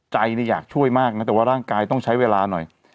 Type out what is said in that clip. ใจอยากช่วยมากนะแต่ว่าร่างกายต้องใช้เวลาหน่อย